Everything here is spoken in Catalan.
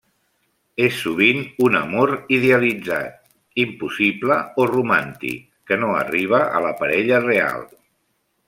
És sovint un amor idealitzat, impossible o romàntic, que no arriba a la parella real.